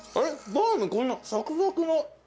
バウムこんなサクサクの。